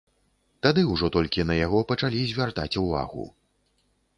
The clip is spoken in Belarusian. Тады ўжо толькі на яго пачалі звяртаць увагу.